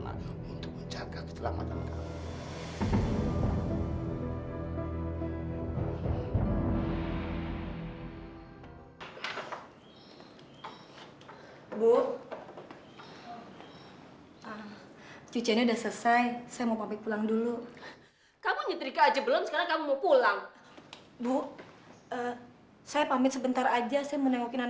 aku juga characteristics bahwa eka suka berhenti kekurangan